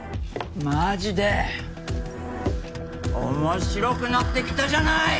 マジで面白くなってきたじゃない！